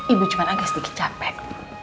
ibu cuma agak sedikit capek